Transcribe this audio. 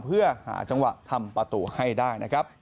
เพื่อหาจังหวะทำประตูให้ได้นะครับ